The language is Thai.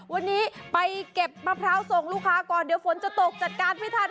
วันนี้ไปเก็บมะพร้าวส่งลูกค้าก่อนเดี๋ยวฝนจะตกจัดการไม่ทัน